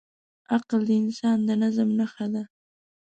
عقل د انسان د نظم نښه ده.